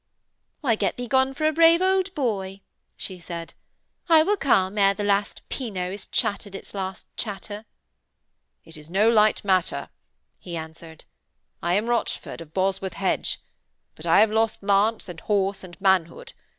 'Why, get thee gone for a brave old boy,' she said. 'I will come ere the last pynot has chattered its last chatter.' 'It is no light matter,' he answered. 'I am Rochford of Bosworth Hedge. But I have lost lance and horse and manhood.